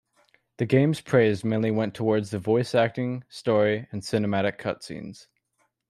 The game's praise mainly went towards the voice acting, story, and cinematic cutscenes.